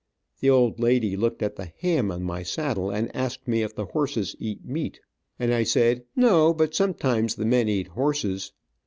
The old lady looked at the ham on my saddle and asked me if the horses eat meat, and I said, "No, but sometimes the men eat horses."